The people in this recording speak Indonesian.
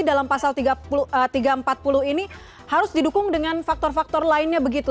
dalam pasal tiga ratus empat puluh ini harus didukung dengan faktor faktor lainnya begitu